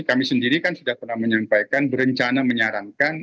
kami sendiri sudah menyampaikan berencana menyalankan